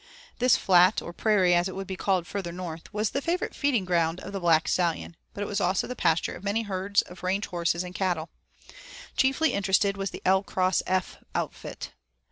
This flat, or prairie as it would be called farther north, was the favorite feeding ground of the Black Stallion, but it was also the pasture of many herds of range horses and cattle. Chiefly interested was the 'L cross F' outfit.